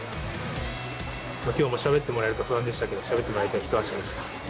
きょうもしゃべってもらえるか不安でしたけど、しゃべってもらえて一安心でした。